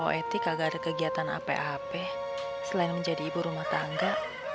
kalau kamu poetic kagak ada kegiatan ap ap selain menjadi ibu rumah tangga